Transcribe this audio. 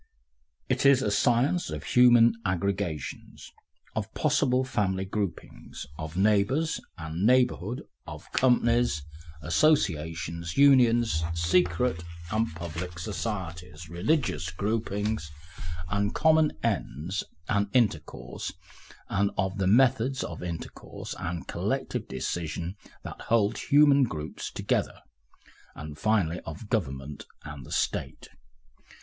It is a science of human aggregations, of all possible family groupings, of neighbours and neighbourhood, of companies, associations, unions, secret and public societies, religious groupings, of common ends and intercourse, and of the methods of intercourse and collective decision that hold human groups together, and finally of government and the State.